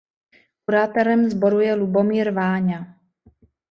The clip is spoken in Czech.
Kurátorem sboru je Lubomír Váňa.